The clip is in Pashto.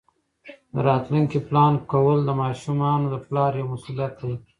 د راتلونکي پلان کول د ماشومانو د پلار یوه مسؤلیت ده.